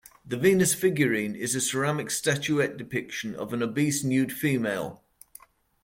The Venus figurine is a ceramic statuette depiction of an obese, nude female.